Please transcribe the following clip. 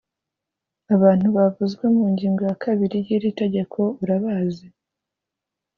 abantu bavuzwe mu ngingo ya kabiri y’iri tegeko urabazi‽